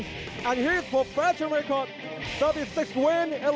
เสมอ๒ไฟและแพ้๑๑ไฟครับ